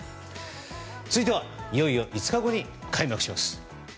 続いてはいよいよ５日後に開幕します。